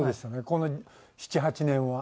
この７８年は。